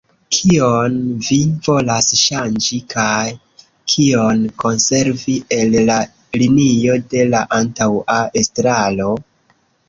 Kion vi volas ŝanĝi kaj kion konservi el la linio de la antaŭa estraro?